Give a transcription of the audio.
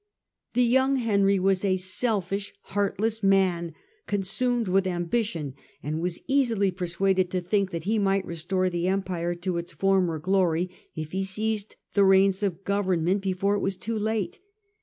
The young Henry was UM ^^^^^ a selfish, heartless man, consumed with ambi tion, and was easily persuaded to think that he might restore the empire to its former glory, if he seized the reins of government before it was too late.